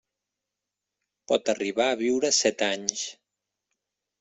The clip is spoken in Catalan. Pot arribar a viure set anys.